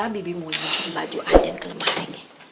bibi mau jembatan baju adian ke lemari